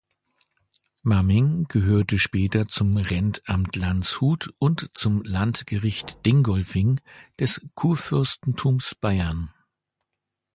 Mamming gehörte später zum Rentamt Landshut und zum Landgericht Dingolfing des Kurfürstentums Bayern.